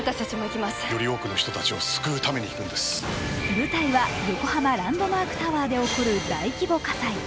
舞台は横浜ランドマークタワーで起こる大規模火災。